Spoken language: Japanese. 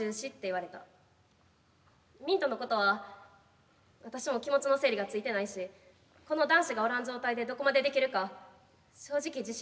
ミントのことは私も気持ちの整理がついてないしこの男子がおらん状態でどこまでできるか正直自信ない。